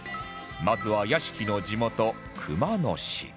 まずは屋敷の地元熊野市